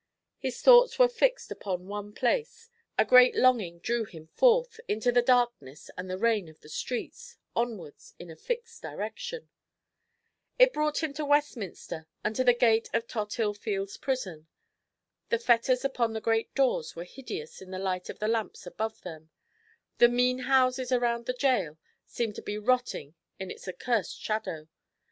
His thoughts were fixed upon one place; a great longing drew him forth, into the darkness and the rain of the streets, onwards in a fixed direction. It brought him to Westminster, and to the gate of Tothill Fields Prison. The fetters upon the great doors were hideous in the light of the lamps above them; the mean houses around the gaol seemed to be rotting in its accursed shadow.